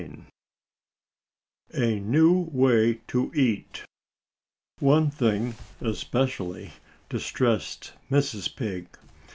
II A NEW WAY TO EAT One thing, especially, distressed Mrs. Pig.